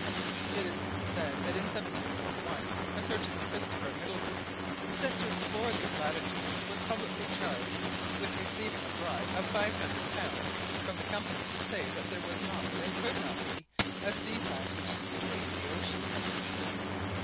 It is even said that in 1741 a certain Christopher Middleton, sent to explore these latitudes, was publicly charged with receiving a bribe of £500 from the Company to say that there was not, and could not be, a sea passage between the oceans."